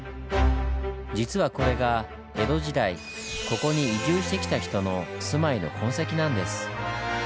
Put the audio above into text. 実はこれが江戸時代ここに移住してきた人の住まいの痕跡なんです。